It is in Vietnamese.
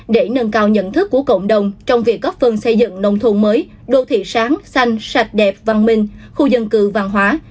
để nâng cao nhận thức của cộng đồng trong việc góp phần xây dựng nông thôn mới đô thị sáng xanh sạch đẹp văn minh khu dân cư văn hóa